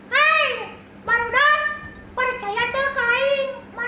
hai baru dah percaya tuh kalian